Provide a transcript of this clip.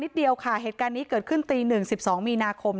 เดียวค่ะเหตุการณ์นี้เกิดขึ้นตีหนึ่งสิบสองมีนาคม